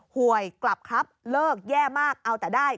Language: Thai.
หวยกลับครับเลิกแย่มากเอาแต่ได้